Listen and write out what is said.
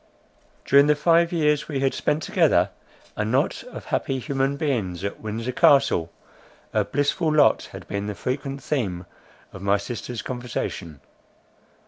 During the five years we had spent together, a knot of happy human beings at Windsor Castle, her blissful lot had been the frequent theme of my sister's conversation.